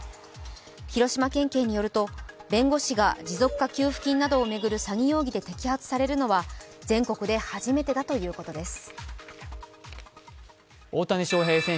広島県警によると、弁護士が持続化給付金などを巡る詐欺容疑で摘発されるのは全国で初めてだということです。